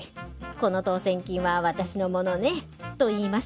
この当せん金は私のものね」と言います。